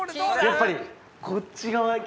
やっぱり。